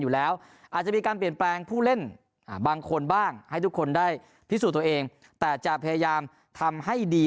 อาจจะมีการเปลี่ยนแปลงผู้เล่นบางคนบ้างให้ทุกคนได้พิสูจน์ตัวเองแต่จะพยายามทำให้ดี